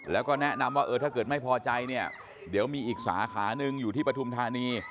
แล้วก็แนะนำว่าเออถ้าเกิดไม่พอใจเนี่ยเดี๋ยวมีอีกสาขาหนึ่งอยู่ที่ปฐุมธานี